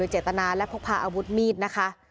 เจตนาและพกพาอาวุธมีดนะคะ